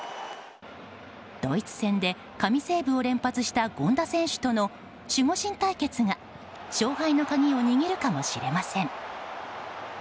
ドイツ戦で神セーブを連発した権田選手との守護神対決が勝敗の鍵を握るかもしれません。